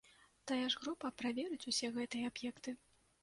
Тая ж група праверыць ўсе гэтыя аб'екты.